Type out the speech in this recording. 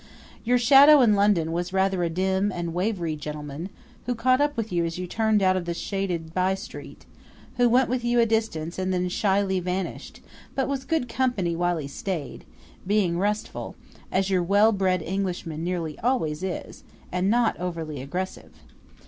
Your shadow in London was rather a dim and wavery gentleman who caught up with you as you turned out of the shaded by street; who went with you a distance and then shyly vanished, but was good company while he stayed, being restful, as your well bred Englishman nearly always is, and not overly aggressive.